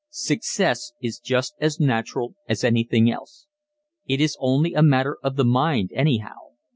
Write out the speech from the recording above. Success is just as natural as anything else. It is only a matter of the mind anyhow.